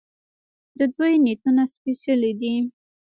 د دوی نیتونه سپیڅلي دي.